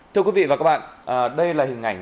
thưa quý vị và các bạn đây là hình ảnh